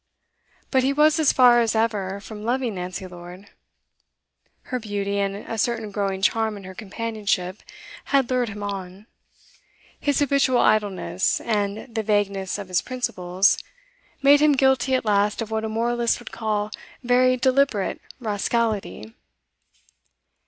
But he was as far as ever from loving Nancy Lord. Her beauty, and a certain growing charm in her companionship, had lured him on; his habitual idleness, and the vagueness of his principles, made him guilty at last of what a moralist would call very deliberate rascality.